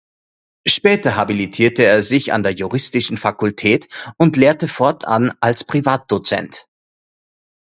Später habilitierte er sich an der Juristischen Fakultät und lehrte fortan als Privatdozent.